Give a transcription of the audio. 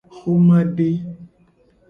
Xomade.